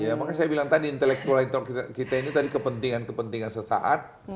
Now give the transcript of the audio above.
ya makanya saya bilang tadi intelektual kita ini tadi kepentingan kepentingan sesaat